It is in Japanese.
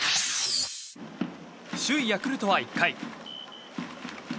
首位ヤクルトは１回。